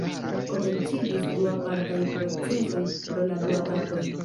Komenciĝis du apartaj procesoj pro la du atakoj.